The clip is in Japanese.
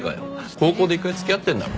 高校で一回付き合ってんだろ。